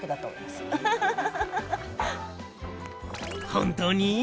本当に？